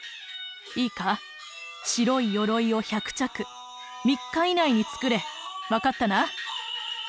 いいか白い鎧を１００着３日以内につくれ！分かったな」。